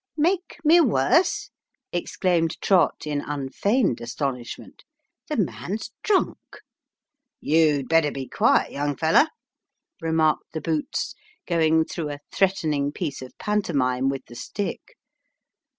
" Make me worse ?" exclaimed Trott, in unfeigned astonishment :" the man's drunk !"" You'd better be quiet, young feller," remarked the boots, going through a threatening piece of pantomime with the stick.